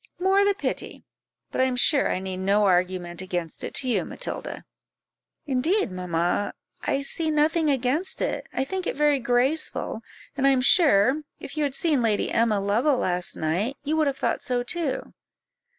"More the pity; but I am sure I need no argument against it to you, Matilda." "Indeed, mamma, I see nothing against it I think it very graceful; and I am sure, if you had seen Lady Emma Lovell last night, you would have thought so too."